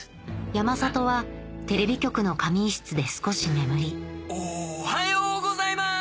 山里はテレビ局の仮眠室で少し眠りおはようございます！